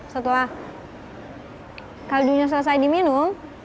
setelah kaldunya selesai diminum